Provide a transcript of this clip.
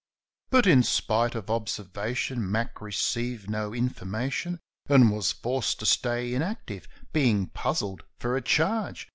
But, in spite of observation, Mac received no infor mation And was forced to stay inactive, being puzzled for a charge.